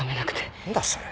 何だそれ。